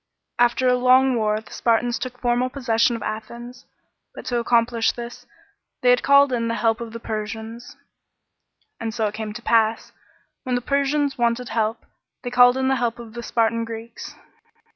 After a long war the Spartans took formal possession of Athens ; but to accomplish this, they had called in the help of the Persians. And so it came to pass, when the Persians wanted help, they called in the help of the Spartan Greeks.